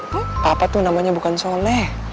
ma papa tuh namanya bukan soleh